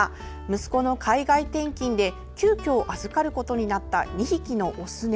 息子の海外転勤で急きょ預かることになった２匹のオス猫。